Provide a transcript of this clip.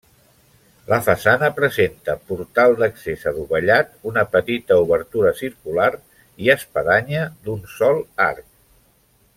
La façana presenta portal d'accés adovellat, una petita obertura circular i espadanya d'un sol arc.